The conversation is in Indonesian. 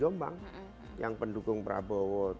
jombang yang pendukung prabowo